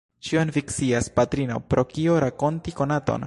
Ĉion vi scias, patrino, pro kio rakonti konaton?